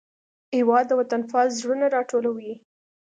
هېواد د وطنپال زړونه راټولوي.